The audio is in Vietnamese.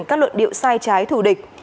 các luận điệu sai trái thù địch